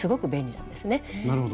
なるほど。